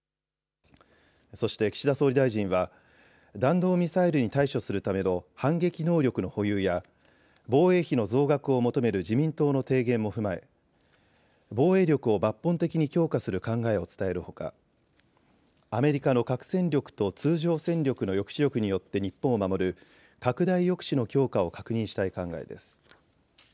そして岸田総理大臣は弾道ミサイルに対処するための反撃能力の保有や防衛費の増額を求める自民党の提言も踏まえ防衛力を抜本的に強化する考えを伝えるほかアメリカの核戦力と通常戦力の抑止力によって日本を守る拡大抑止の強化を確認したい考えです。